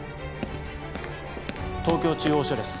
東京中央署です